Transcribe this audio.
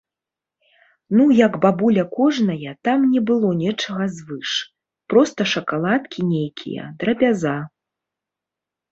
Ну як бабуля кожная, там не было нечага звыш, проста шакаладкі нейкія, драбяза.